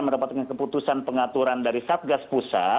mendapatkan keputusan pengaturan dari satgas pusat